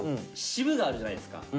シブがあるじゃないですか。